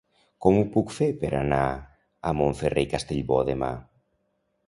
Com ho puc fer per anar a Montferrer i Castellbò demà?